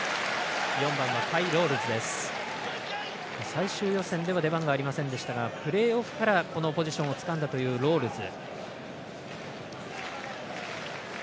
最終予選では出番がありませんでしたがプレーオフからこのポジションをつかんだというロールズ。